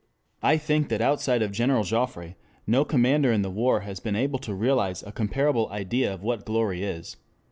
I think that outside of General Joffre, no commander in the war has been able to realize a comparable idea of what glory is.